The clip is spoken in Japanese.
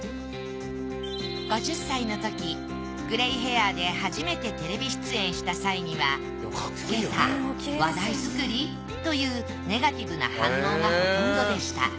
５０歳のときグレイヘアで初めてテレビ出演した際にはというネガティブな反応がほとんどでした。